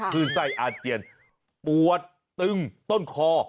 ื่นไส้อาเจียนปวดตึงต้นคอ